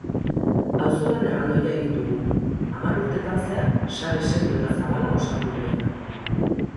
Auzolan erraldoia egin dugu, hamar urtetan zehar sare sendo eta zabala osatu duena.